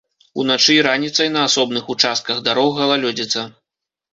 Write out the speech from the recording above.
Уначы і раніцай на асобных участках дарог галалёдзіца.